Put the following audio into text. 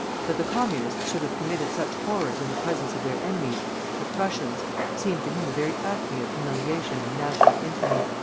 That the Communists should have committed such horrors in the presence of their enemies, the Prussians, seemed to him the very acme of humiliation and national infamy."